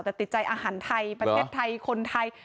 แต่ติดใจอาหารไทยประเทศไทยคนไทย